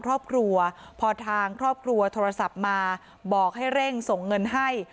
ครอบครัวพอทางครอบครัวโทรศัพท์มาบอกให้เร่งส่งเงินให้